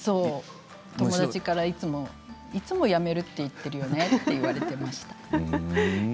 友達からいつも辞めるって言っているよねって言われました。